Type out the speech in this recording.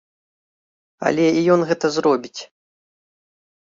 Але і ён гэта зробіць.